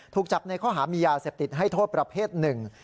ถูกจับในข้อหามียาเสพติดให้โทษประเภทหนึ่ง